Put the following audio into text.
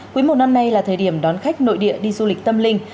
quý một năm nay là thời điểm đón khách nội địa đi du lịch tâm linh